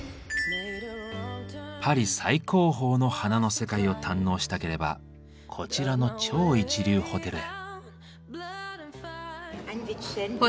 パリ最高峰の「花の世界」を堪能したければこちらの超一流ホテルへ。